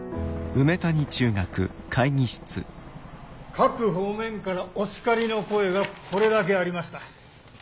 各方面からお叱りの声がこれだけありました。